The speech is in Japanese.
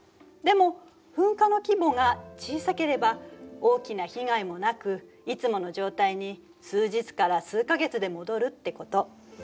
でも噴火の規模が小さければ大きな被害もなくいつもの状態に数日から数か月で戻るってこと。